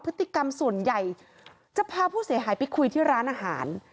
พฤติกรรมส่วนใหญ่จะพาผู้เสียหายไปคุยที่ร้านอาหาร